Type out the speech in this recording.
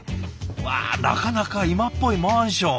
わあなかなか今っぽいマンション。